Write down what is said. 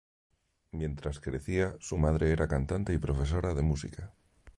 Mientras crecía, su madre era cantante y profesora de música.